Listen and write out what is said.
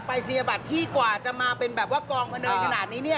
ไปสีเศรษฐกว่าจะมาเป็นแบบว่ากองมันเนยขนาดนี้เนี่ย